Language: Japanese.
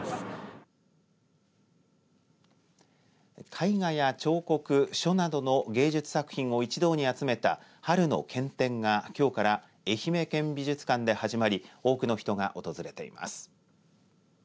絵画や彫刻、書などの芸術作品を一堂に集めた春の県展がきょうから愛媛県美術館で始まり多くの人が訪れています。